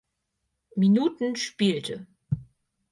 Minuten spielte.